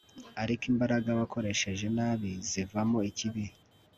ariko imbaraga wakoresheje nabi zivamo ikibi